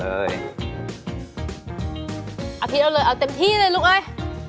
เอาตัดเลยเอาเต็มที่เลยลุกไออ่ะ